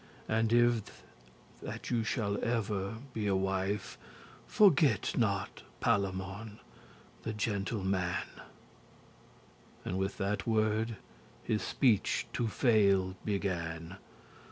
And if that you shall ever be a wife, Forget not Palamon, the gentle man." And with that word his speech to fail began.